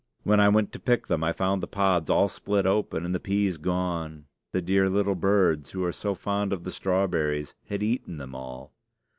When I went to pick them I found the pods all split open and the peas gone. The dear little birds, who are so fond of the strawberries, had eaten them all.